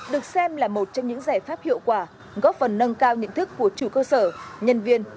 được xem là một trong những giải pháp hiệu quả góp phần nâng cao nhận thức của chủ cơ sở nhân viên